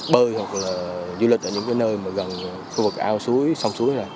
bơi hoặc là du lịch ở những nơi gần khu vực ao suối sông suối